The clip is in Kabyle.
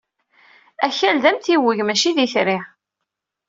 Akal d amtiweg, maci d itri.